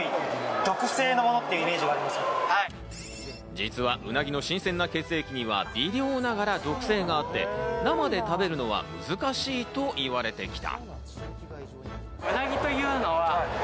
実はうなぎの新鮮な血液には微量ながら毒性があって、生で食べるのは難しいと言われてきた。